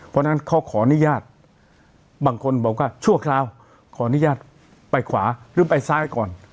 เพราะฉะนั้นเขาขออนุญาตบางคนบอกว่าชั่วคราวขออนุญาตไปขวาหรือไปซ้ายก่อน